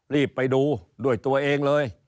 รีบไปดูด้วยตัวเองเลย